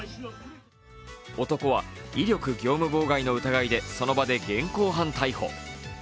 男は威力業務妨害の疑いでその場で現行犯逮捕。